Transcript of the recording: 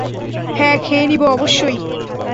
হ্যাঁ, খেয়ে নিব অবশ্যই।